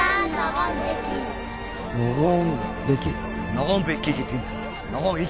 ノゴーン・ベキ？